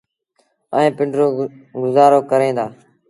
ائيٚݩ پنڊرو گزآرو ڪريݩ دآ۔